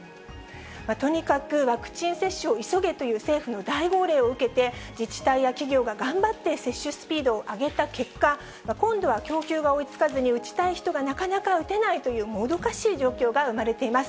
とにかく、ワクチン接種を急げという政府の大号令を受けて、自治体や企業が頑張って接種スピードを上げた結果、今度は供給が追いつかずに打ちたい人がなかなか打てないというもどかしい状況が生まれています。